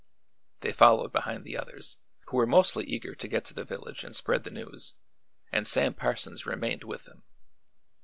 They followed behind the others, who were mostly eager to get to the village and spread the news, and Sam Parsons remained with them.